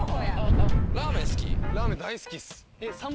ラーメン大好きっす。